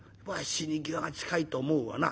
死に際が近いと思うわな。